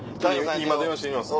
今電話してみます。